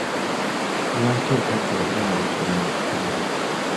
Lwaki otadde obulamu bwaffe mu lusuubo.